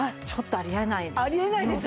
ちょっとあり得ない。